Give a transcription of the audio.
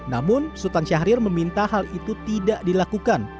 namun sultan syahrir meminta hal itu tidak dilakukan